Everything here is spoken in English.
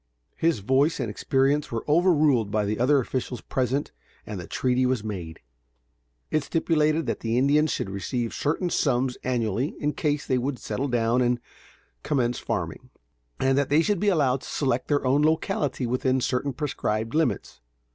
His voice and experience were overruled by the other officials present and the treaty was made. It stipulated that the Indians should receive certain sums annually in case they would settle down and commence farming, and that they should be allowed to select their own locality within certain prescribed limits.